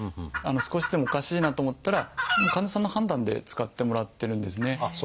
少しでもおかしいなと思ったら患者さんの判断で使ってもらってるんですね。